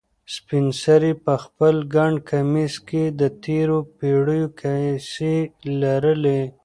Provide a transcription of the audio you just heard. سپین سرې په خپل ګڼ کمیس کې د تېرو پېړیو کیسې لرلې.